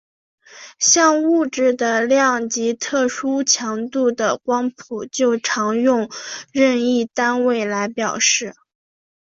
像物质的量及特殊强度的光谱就常用任意单位来表示。